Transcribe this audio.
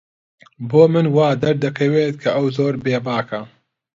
بۆ من وا دەردەکەوێت کە ئەو زۆر بێباکە.